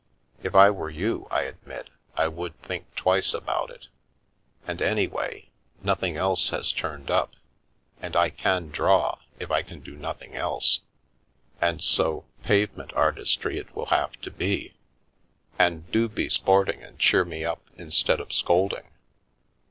If I were you, I admit, I would think twice about it. And, anyway, nothing else has turned up, and I can draw, if I can do nothing else, and so, pavement artistry it will have to be. And do be sporting and cheer me up, instead of scolding."